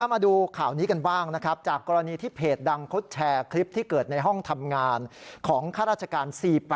มาดูข่าวนี้กันบ้างนะครับจากกรณีที่เพจดังเขาแชร์คลิปที่เกิดในห้องทำงานของข้าราชการ๔๘